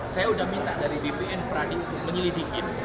saya sudah minta dari bpn pradi untuk menyelidikin